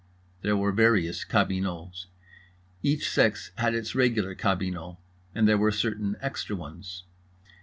There were various cabinots: each sex had its regular cabinot, and there were certain extra ones.